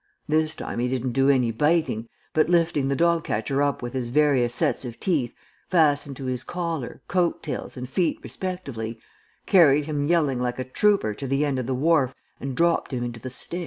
This time he didn't do any biting, but lifting the dog catcher up with his various sets of teeth, fastened to his collar, coat tails, and feet respectively, carried him yelling like a trooper to the end of the wharf and dropped him into the Styx.